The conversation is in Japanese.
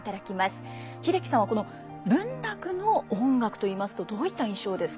英樹さんはこの文楽の音楽といいますとどういった印象ですか？